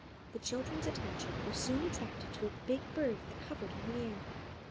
The children's attention was soon attracted to a big bird that hovered in the air.